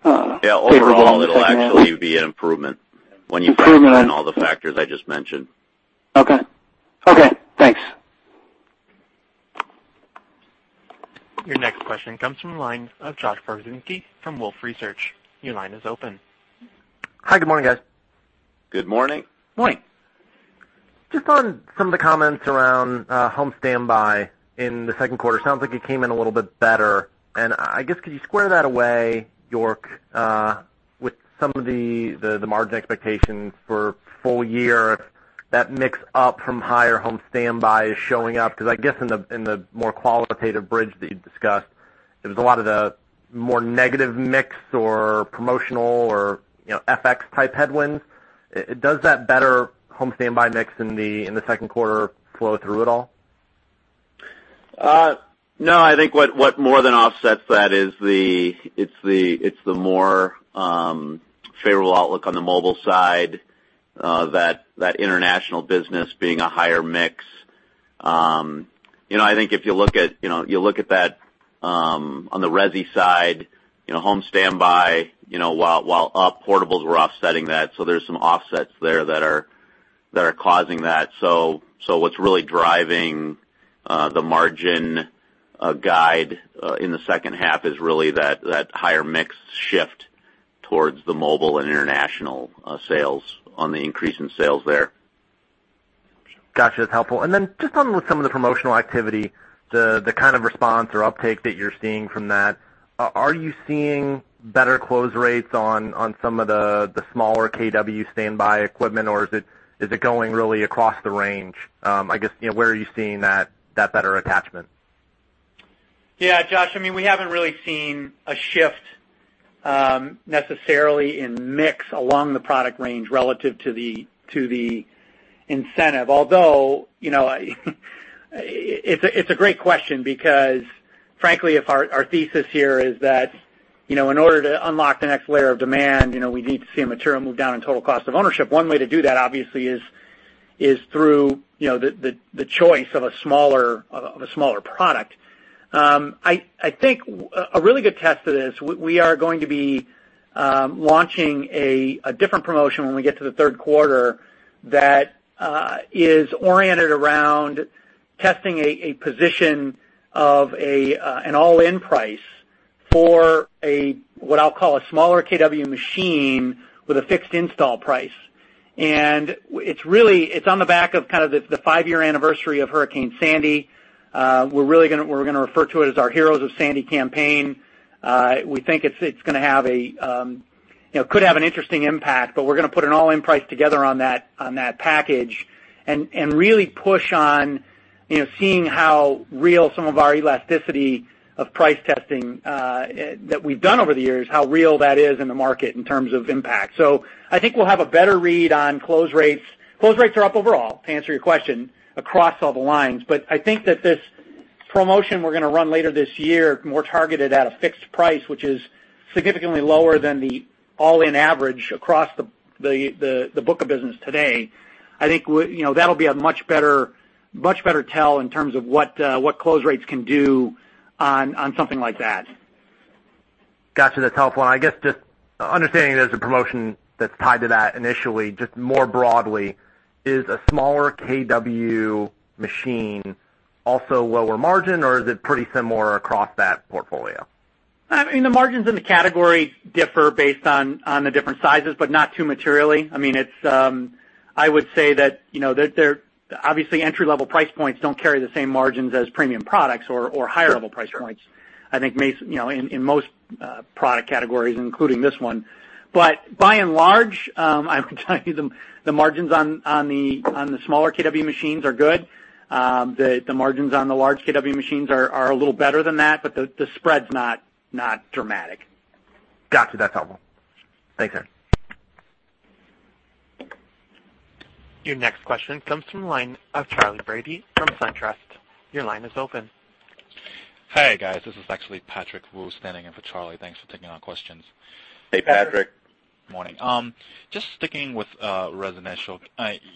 Yeah. Favorable. It'll actually be an improvement in all the factors I just mentioned. Okay. Thanks. Your next question comes from the line of Joshua Pokrzywinski from Wolfe Research. Your line is open. Hi, good morning, guys. Good morning. Morning. Just on some of the comments around home standby in the second quarter, sounds like it came in a little bit better. I guess, could you square that away, York, with some of the margin expectations for full-year, if that mix up from higher home standby is showing up? Because I guess in the more qualitative bridge that you discussed, there was a lot of the more negative mix or promotional or FX-type headwinds. Does that better home standby mix in the second quarter flow through at all? No, I think what more than offsets that is the more favorable outlook on the mobile side, that international business being a higher mix. I think if you look at that on the resi side, home standby, while portables were offsetting that, so there's some offsets there that are causing that. What's really driving the margin guide in the second half is really that higher mix shift towards the mobile and international sales on the increase in sales there. Got you. That's helpful. Then just on with some of the promotional activity, the kind of response or uptake that you're seeing from that, are you seeing better close rates on some of the smaller kW standby equipment, or is it going really across the range? I guess, where are you seeing that better attachment? Josh. We haven't really seen a shift necessarily in mix along the product range relative to the incentive. Although, it's a great question because, frankly, if our thesis here is that in order to unlock the next layer of demand, we need to see a material move down in total cost of ownership. One way to do that, obviously, is through the choice of a smaller product. I think a really good test to this, we are going to be launching a different promotion when we get to the third quarter that is oriented around testing a position of an all-in price for a, what I'll call a smaller kW machine with a fixed install price. It's on the back of the five-year anniversary of Hurricane Sandy. We're going to refer to it as our Heroes of Sandy campaign. We think it could have an interesting impact. We're going to put an all-in price together on that package and really push on seeing how real some of our elasticity of price testing that we've done over the years, how real that is in the market in terms of impact. I think we'll have a better read on close rates. Close rates are up overall, to answer your question, across all the lines. I think that this promotion we're going to run later this year, more targeted at a fixed price, which is significantly lower than the all-in average across the book of business today. I think that'll be a much better tell in terms of what close rates can do on something like that. Got you. That's helpful. I guess just understanding there's a promotion that's tied to that initially, just more broadly, is a smaller kW machine also lower margin, or is it pretty similar across that portfolio? The margins in the category differ based on the different sizes. Not too materially. I would say that, obviously, entry-level price points don't carry the same margins as premium products or higher-level price points. Sure I think in most product categories, including this one. By and large, I can tell you the margins on the smaller kW machines are good. The margins on the large kW machines are a little better than that, but the spread's not dramatic. Got you. That's helpful. Thanks, guys. Your next question comes from the line of Charlie Brady from SunTrust. Your line is open. Hey, guys. This is actually Patrick Wu standing in for Charlie. Thanks for taking our questions. Hey, Patrick. Morning. Just sticking with residential.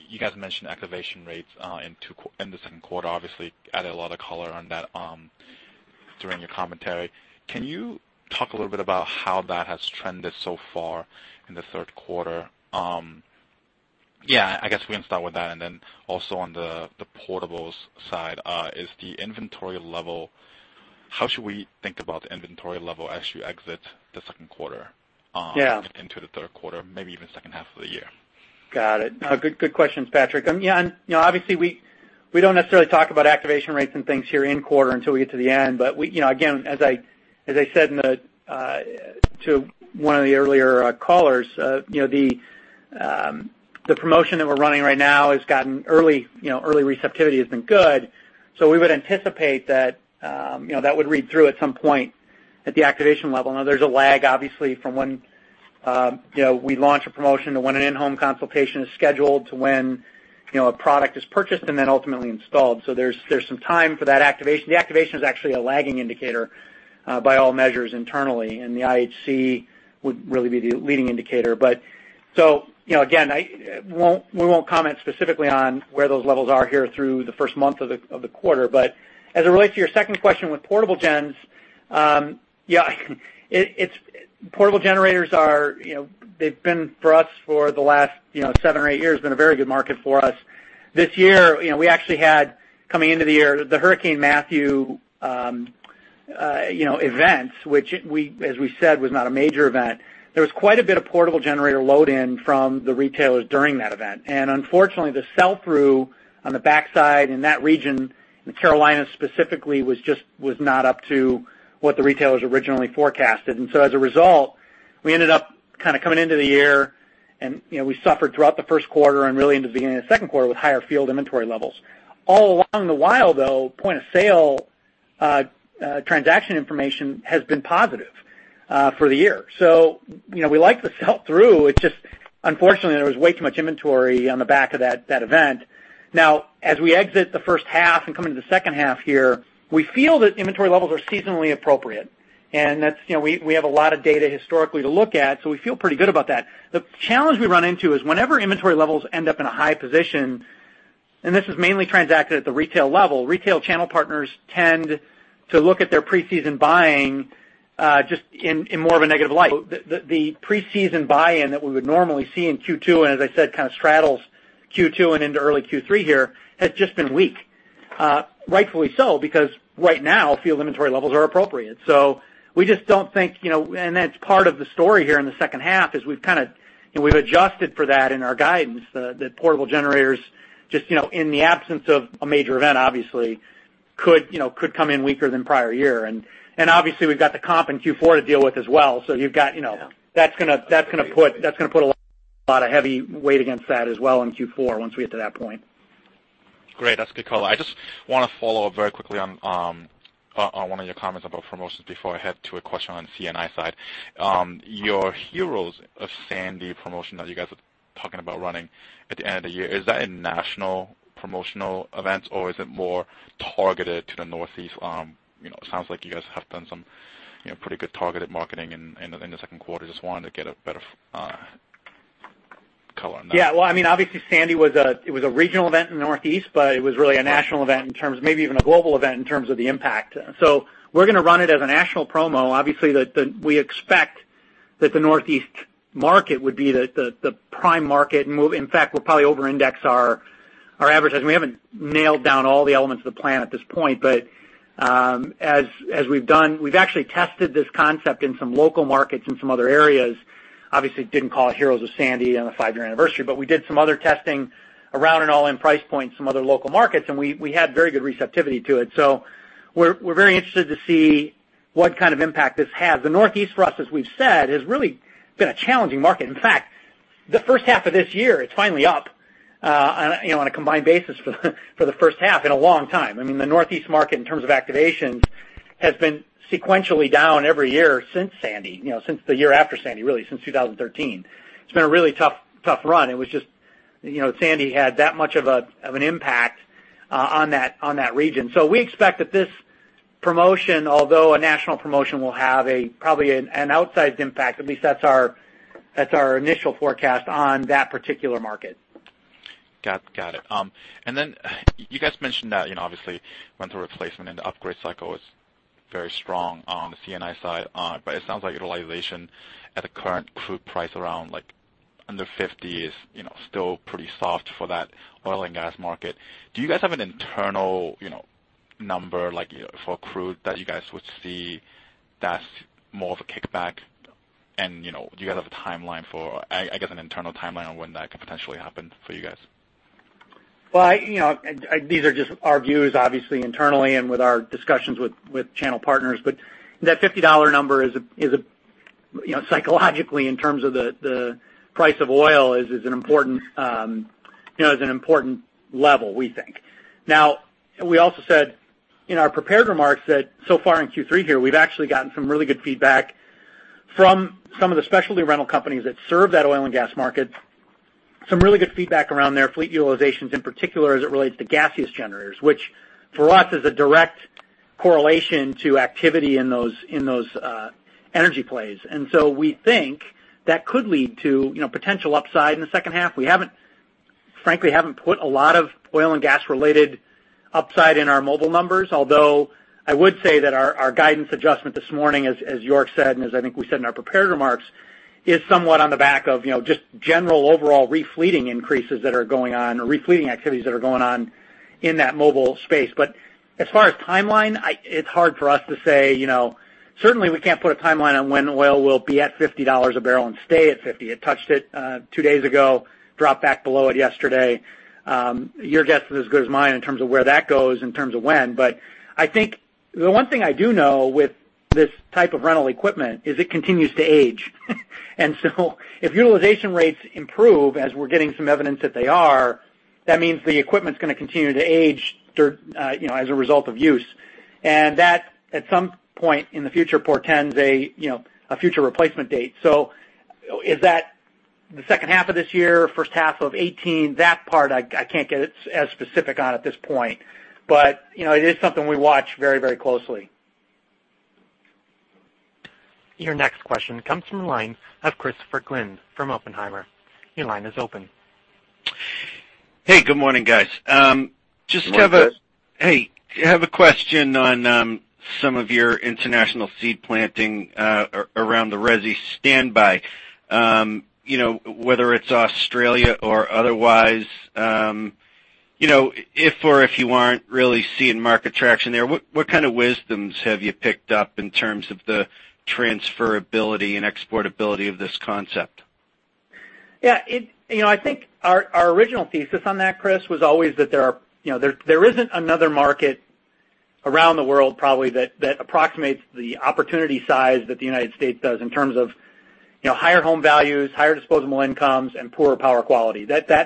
You guys mentioned activation rates in the second quarter, obviously, added a lot of color on that during your commentary. Can you talk a little bit about how that has trended so far in the third quarter? I guess we can start with that, and then also on the portables side, is the inventory level. How should we think about the inventory level as you exit the second quarter into the third quarter, maybe even second half of the year? Got it. Good questions, Patrick. Obviously, we don't necessarily talk about activation rates and things here in quarter until we get to the end. Again, as I said to one of the earlier callers, the promotion that we're running right now has gotten early receptivity has been good. We would anticipate that that would read through at some point at the activation level. There's a lag, obviously, from when we launch a promotion to when an in-home consultation is scheduled to when a product is purchased and then ultimately installed. There's some time for that activation. The activation is actually a lagging indicator by all measures internally, and the IHC would really be the leading indicator. Again, we won't comment specifically on where those levels are here through the first month of the quarter. As it relates to your second question, with portable gens, portable generators, they've been for us for the last seven or eight years, been a very good market for us. This year, we actually had coming into the year, the Hurricane Matthew events, which as we said, was not a major event. There was quite a bit of portable generator load in from the retailers during that event. Unfortunately, the sell-through on the backside in that region, in Carolina specifically, was not up to what the retailers originally forecasted. As a result, we ended up kind of coming into the year, and we suffered throughout the first quarter and really into the beginning of the second quarter with higher field inventory levels. All along the while, though, point of sale transaction information has been positive for the year. We like the sell-through. It's just unfortunately, there was way too much inventory on the back of that event. As we exit the first half and come into the second half here, we feel that inventory levels are seasonally appropriate, and we have a lot of data historically to look at, so we feel pretty good about that. The challenge we run into is whenever inventory levels end up in a high position, and this is mainly transacted at the retail level, retail channel partners tend to look at their pre-season buying just in more of a negative light. The pre-season buy-in that we would normally see in Q2, and as I said, kind of straddles Q2 and into early Q3 here, has just been weak. Rightfully so, because right now field inventory levels are appropriate. We just don't think, and that's part of the story here in the second half, is we've adjusted for that in our guidance, the portable generators, just in the absence of a major event, obviously, could come in weaker than prior year. Obviously, we've got the comp in Q4 to deal with as well. You've got. Yeah that's going to put a lot of heavy weight against that as well in Q4 once we get to that point. Great. That's a good call. I just want to follow up very quickly on one of your comments about promotions before I head to a question on C&I side. Your Heroes of Sandy promotion that you guys are talking about running at the end of the year, is that a national promotional event, or is it more targeted to the Northeast? It sounds like you guys have done some pretty good targeted marketing in the second quarter. Just wanted to get a better color on that. Well, obviously Sandy, it was a regional event in the Northeast, but it was really a national event, maybe even a global event in terms of the impact. We're going to run it as a national promo. Obviously, we expect that the Northeast market would be the prime market. In fact, we'll probably over-index our advertising. We haven't nailed down all the elements of the plan at this point. As we've done, we've actually tested this concept in some local markets in some other areas. Obviously, didn't call it Heroes of Sandy on the five-year anniversary, but we did some other testing around an all-in price point in some other local markets, and we had very good receptivity to it. We're very interested to see what kind of impact this has. The Northeast for us, as we've said, has really been a challenging market. In fact, the first half of this year, it's finally up on a combined basis for the first half in a long time. The Northeast market, in terms of activations, has been sequentially down every year since Sandy, since the year after Sandy, really since 2013. It's been a really tough run. It was just Sandy had that much of an impact on that region. We expect that this promotion, although a national promotion, will have probably an outsized impact. At least that's our initial forecast on that particular market. Got it. You guys mentioned that, obviously, rental replacement and the upgrade cycle is very strong on the C&I side. It sounds like utilization at the current crude price around under 50 is still pretty soft for that oil and gas market. Do you guys have an internal number for crude that you guys would see that's more of a kickback, and do you guys have a timeline for, I guess, an internal timeline on when that could potentially happen for you guys? These are just our views, obviously, internally and with our discussions with channel partners. That $50 number is, psychologically, in terms of the price of oil, is an important level, we think. We also said in our prepared remarks that so far in Q3 here, we've actually gotten some really good feedback from some of the specialty rental companies that serve that oil and gas market. Some really good feedback around their fleet utilizations, in particular as it relates to gaseous generators, which for us is a direct correlation to activity in those energy plays. We think that could lead to potential upside in the second half. We frankly, haven't put a lot of oil and gas-related upside in our mobile numbers. Although I would say that our guidance adjustment this morning, as York said, and as I think we said in our prepared remarks, is somewhat on the back of just general overall refleeting increases that are going on or refleeting activities that are going on in that mobile space. As far as timeline, it's hard for us to say. Certainly, we can't put a timeline on when oil will be at $50 a barrel and stay at 50. It touched it two days ago, dropped back below it yesterday. Your guess is as good as mine in terms of where that goes, in terms of when. I think the one thing I do know with this type of rental equipment is it continues to age. If utilization rates improve, as we're getting some evidence that they are. That means the equipment's going to continue to age as a result of use. That, at some point in the future, portends a future replacement date. Is that the second half of this year, first half of 2018? That part, I can't get as specific on at this point, but it is something we watch very closely. Your next question comes from the line of Christopher Glynn from Oppenheimer. Your line is open. Hey, good morning, guys. Good morning, Chris. Hey. I have a question on some of your international seed planting around the Resi standby. Whether it's Australia or otherwise, if or if you aren't really seeing market traction there, what kind of wisdoms have you picked up in terms of the transferability and exportability of this concept? Yeah. I think our original thesis on that, Chris, was always that there isn't another market around the world probably that approximates the opportunity size that the United States does in terms of higher home values, higher disposable incomes, and poorer power quality. There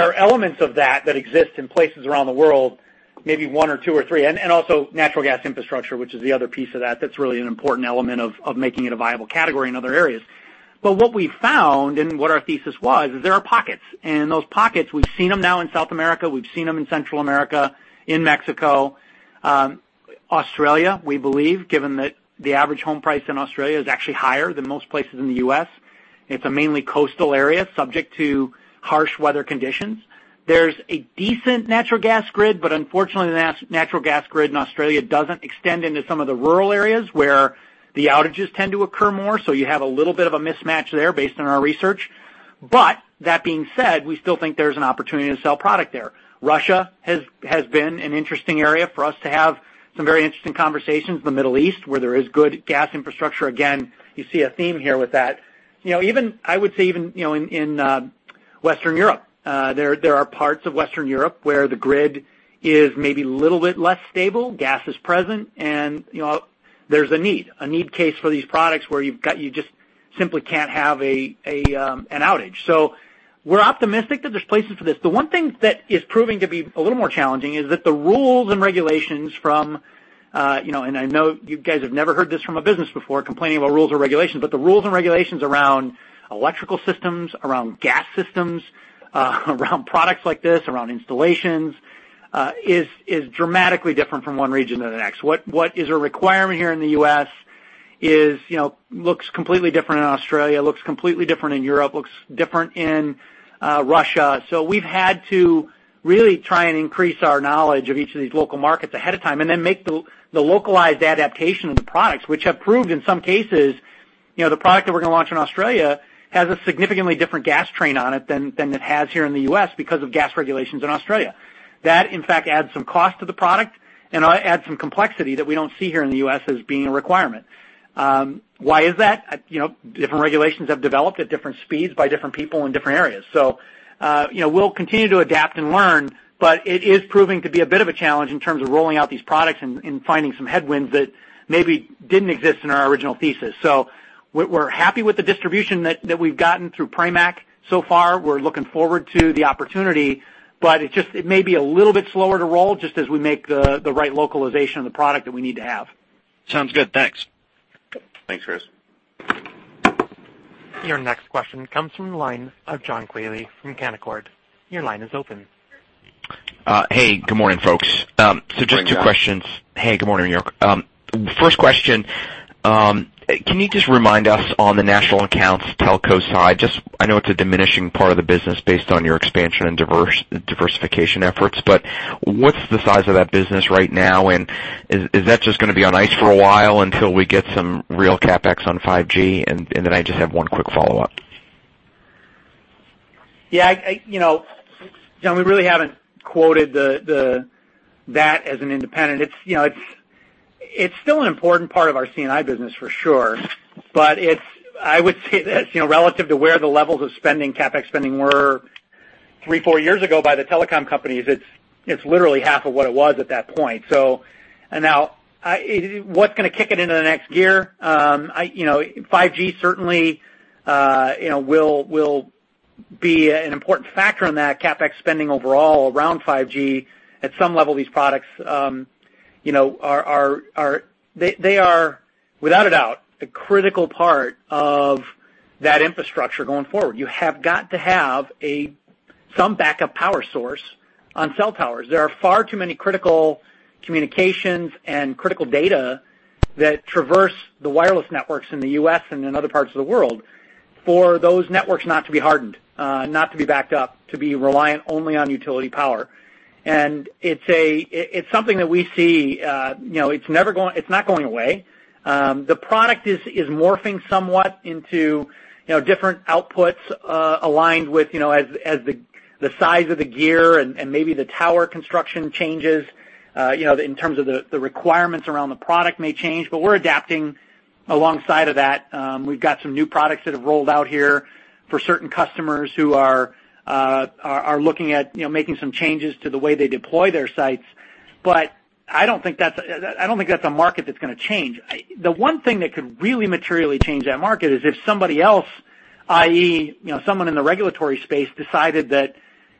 are elements of that that exist in places around the world, maybe one or two or three, and also natural gas infrastructure, which is the other piece of that that's really an important element of making it a viable category in other areas. What we found and what our thesis was, is there are pockets, and those pockets, we've seen them now in South America, we've seen them in Central America, in Mexico, Australia, we believe, given that the average home price in Australia is actually higher than most places in the U.S. It's a mainly coastal area subject to harsh weather conditions. There's a decent natural gas grid, unfortunately, the natural gas grid in Australia doesn't extend into some of the rural areas where the outages tend to occur more. You have a little bit of a mismatch there based on our research. That being said, we still think there's an opportunity to sell product there. Russia has been an interesting area for us to have some very interesting conversations. The Middle East, where there is good gas infrastructure. Again, you see a theme here with that. I would say even in Western Europe. There are parts of Western Europe where the grid is maybe a little bit less stable. Gas is present, and there's a need, a need case for these products where you just simply can't have an outage. We're optimistic that there's places for this. The one thing that is proving to be a little more challenging is that the rules and regulations from, and I know you guys have never heard this from a business before, complaining about rules or regulations, but the rules and regulations around electrical systems, around gas systems, around products like this, around installations is dramatically different from one region to the next. What is a requirement here in the U.S. looks completely different in Australia, looks completely different in Europe, looks different in Russia. We've had to really try and increase our knowledge of each of these local markets ahead of time, and then make the localized adaptation of the products, which have proved in some cases, the product that we're going to launch in Australia has a significantly different gas train on it than it has here in the U.S. because of gas regulations in Australia. That in fact, adds some cost to the product and adds some complexity that we don't see here in the U.S. as being a requirement. Why is that? Different regulations have developed at different speeds by different people in different areas. We'll continue to adapt and learn, but it is proving to be a bit of a challenge in terms of rolling out these products and finding some headwinds that maybe didn't exist in our original thesis. We're happy with the distribution that we've gotten through Pramac so far. We're looking forward to the opportunity, but it may be a little bit slower to roll just as we make the right localization of the product that we need to have. Sounds good. Thanks. Thanks, Chris. Your next question comes from the line of John Quealy from Canaccord. Your line is open. Hey, good morning, folks. Good morning, John. Just two questions. Hey, good morning to you. First question, can you remind us on the national accounts telco side, I know it's a diminishing part of the business based on your expansion and diversification efforts, but what's the size of that business right now, and is that just going to be on ice for a while until we get some real CapEx on 5G? I just have one quick follow-up. Yeah. John, we really haven't quoted that as an independent. It's still an important part of our C&I business, for sure. I would say that relative to where the levels of spending, CapEx spending were three, four years ago by the telecom companies, it's literally half of what it was at that point. What's going to kick it into the next gear? 5G certainly will be an important factor in that CapEx spending overall around 5G. At some level, these products, they are, without a doubt, a critical part of that infrastructure going forward. You have got to have some backup power source on cell towers. There are far too many critical communications and critical data that traverse the wireless networks in the U.S. and in other parts of the world for those networks not to be hardened, not to be backed up, to be reliant only on utility power. It's something that we see, it's not going away. The product is morphing somewhat into different outputs aligned with as the size of the gear and maybe the tower construction changes, in terms of the requirements around the product may change, we're adapting alongside of that. We've got some new products that have rolled out here for certain customers who are looking at making some changes to the way they deploy their sites. I don't think that's a market that's going to change. The one thing that could really materially change that market is if somebody else, i.e., someone in the regulatory space, decided that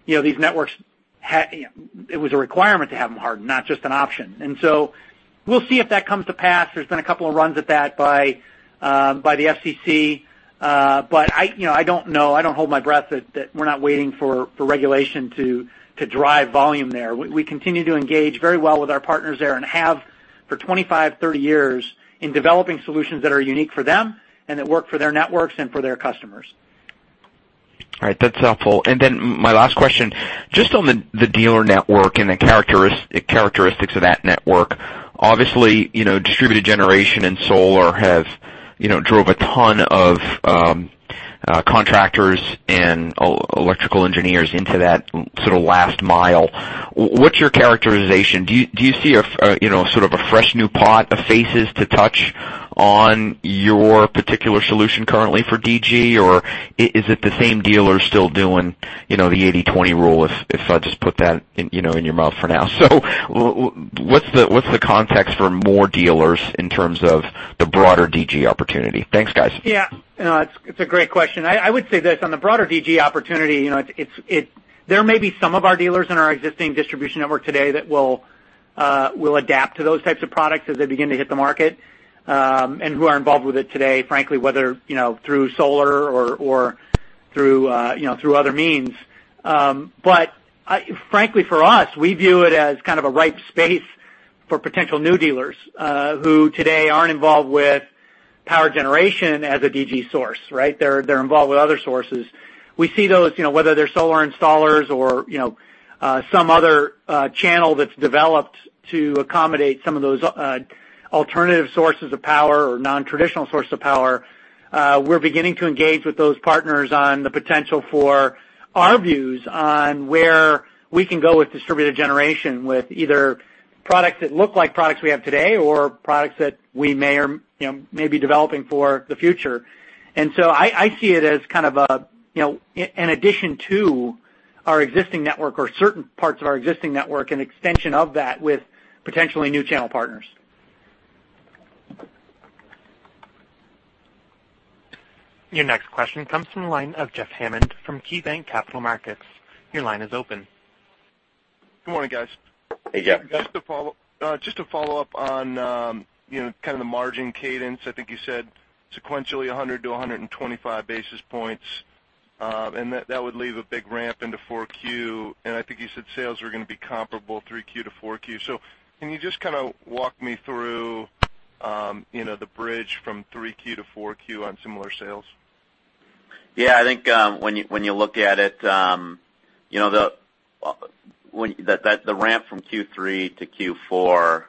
these networks, it was a requirement to have them hardened, not just an option. We'll see if that comes to pass. There's been a couple of runs at that by the FCC. I don't know. I don't hold my breath that we're not waiting for regulation to drive volume there. We continue to engage very well with our partners there and have for 25, 30 years, in developing solutions that are unique for them and that work for their networks and for their customers. My last question, just on the dealer network and the characteristics of that network. Obviously, distributed generation and solar have driven a ton of contractors and electrical engineers into that sort of last mile. What's your characterization? Do you see sort of a fresh new pot of faces to touch on your particular solution currently for DG? Or is it the same dealers still doing the 80/20 rule, if I just put that in your mouth for now? What's the context for more dealers in terms of the broader DG opportunity? Thanks, guys. Yeah. No, it's a great question. I would say this, on the broader DG opportunity, there may be some of our dealers in our existing distribution network today that will adapt to those types of products as they begin to hit the market, and who are involved with it today, frankly, whether through solar or through other means. Frankly, for us, we view it as kind of a ripe space for potential new dealers who today aren't involved with power generation as a DG source, right? They're involved with other sources. We see those, whether they're solar installers or some other channel that's developed to accommodate some of those alternative sources of power or non-traditional sources of power. We're beginning to engage with those partners on the potential for our views on where we can go with distributed generation, with either products that look like products we have today or products that we may be developing for the future. I see it as kind of an addition to our existing network or certain parts of our existing network, an extension of that with potentially new channel partners. Your next question comes from the line of Jeffrey Hammond from KeyBanc Capital Markets. Your line is open. Good morning, guys. Hey, Jeff. To follow up on kind of the margin cadence. I think you said sequentially 100 to 125 basis points. That would leave a big ramp into four Q. I think you said sales were going to be comparable three Q to four Q. Can you just kind of walk me through the bridge from three Q to four Q on similar sales? Yeah, I think when you look at it, the ramp from Q3 to Q4,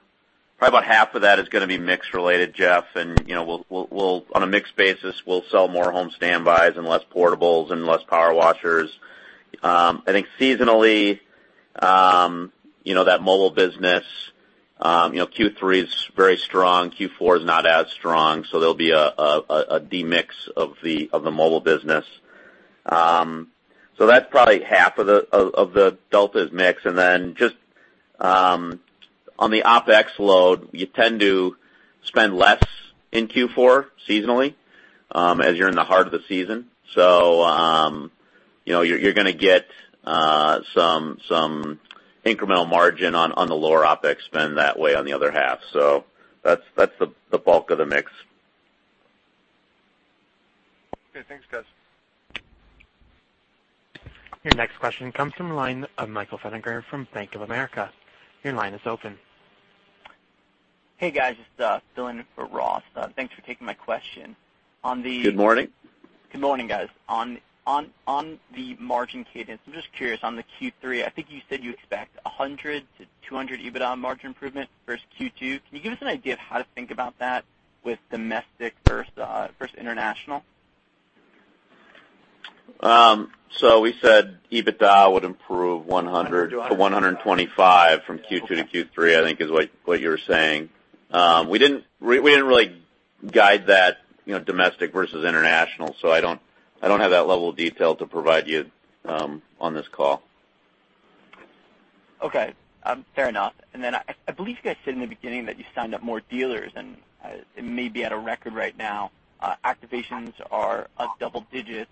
probably about half of that is going to be mix-related, Jeff. On a mixed basis, we'll sell more home standbys and less portables and less power washers. I think seasonally, that mobile business, Q3 is very strong. Q4 is not as strong. There'll be a demix of the mobile business. That's probably half of the delta is mix. Then just on the OpEx load, you tend to spend less in Q4 seasonally, as you're in the heart of the season. You're going to get some incremental margin on the lower OpEx spend that way on the other half. That's the bulk of the mix. Okay. Thanks, guys. Your next question comes from the line of Michael Feniger from Bank of America. Your line is open. Hey, guys, just filling in for Ross. Thanks for taking my question. Good morning. Good morning, guys. On the margin cadence, I'm just curious, on the Q3, I think you said you expect 100-200 EBITDA margin improvement versus Q2. Can you give us an idea of how to think about that with domestic versus international? We said EBITDA would improve 100-125 from Q2 to Q3, I think is what you were saying. We didn't really guide that domestic versus international. I don't have that level of detail to provide you on this call. Okay. Fair enough. I believe you guys said in the beginning that you signed up more dealers. It may be at a record right now. Activations are up double digits.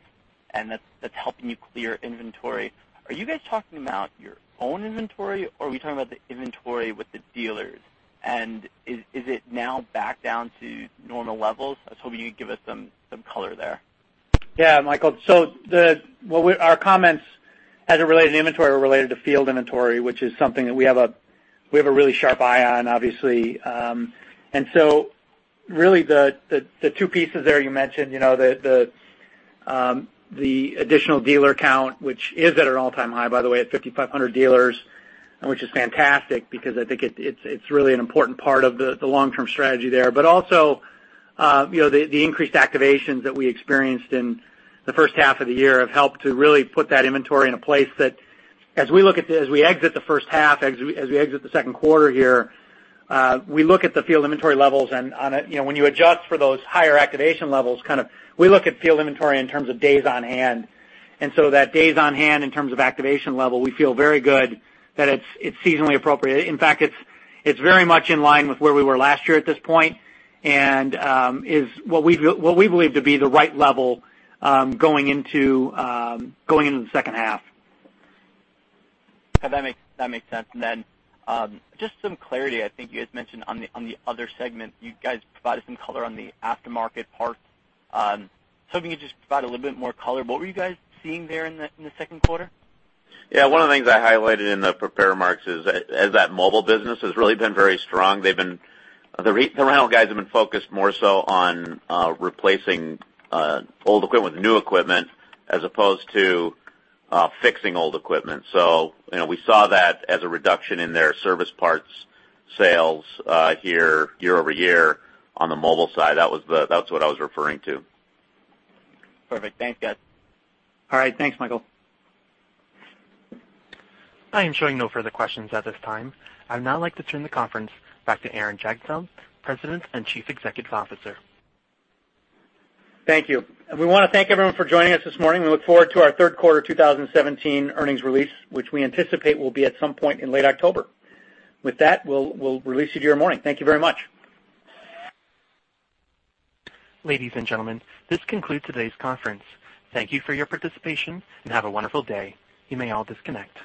That's helping you clear inventory. Are you guys talking about your own inventory, or are we talking about the inventory with the dealers? Is it now back down to normal levels? I was hoping you could give us some color there. Yeah, Michael. Our comments as it related to inventory were related to field inventory, which is something that we have a really sharp eye on, obviously. Really the two pieces there you mentioned, the additional dealer count, which is at an all-time high, by the way, at 5,500 dealers. Which is fantastic because I think it's really an important part of the long-term strategy there. Also, the increased activations that we experienced in the first half of the year have helped to really put that inventory in a place that as we exit the first half, as we exit the second quarter here, we look at the field inventory levels, and when you adjust for those higher activation levels, we look at field inventory in terms of days on hand. That days on hand in terms of activation level, we feel very good that it's seasonally appropriate. In fact, it's very much in line with where we were last year at this point and is what we believe to be the right level going into the second half. That makes sense. Just some clarity. I think you guys mentioned on the other segment, you guys provided some color on the aftermarket parts. Hoping you could just provide a little bit more color. What were you guys seeing there in the second quarter? One of the things I highlighted in the prepared remarks is that mobile business has really been very strong. The rental guys have been focused more so on replacing old equipment with new equipment as opposed to fixing old equipment. We saw that as a reduction in their service parts sales here year-over-year on the mobile side. That's what I was referring to. Perfect. Thanks, guys. All right. Thanks, Michael. I am showing no further questions at this time. I'd now like to turn the conference back to Aaron Jagdfeld, President and Chief Executive Officer. Thank you. We want to thank everyone for joining us this morning. We look forward to our third quarter 2017 earnings release, which we anticipate will be at some point in late October. With that, we'll release you to your morning. Thank you very much. Ladies and gentlemen, this concludes today's conference. Thank you for your participation, and have a wonderful day. You may all disconnect.